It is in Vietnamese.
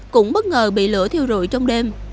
cũng bất ngờ bị lửa thiêu rụi trong đêm